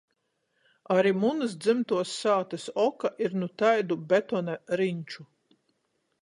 Ari munys dzymtuos sātys oka ir nu taidu betona riņču.